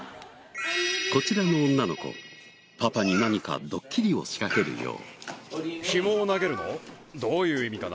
こちらの女の子パパに何かドッキリを仕掛けるよう。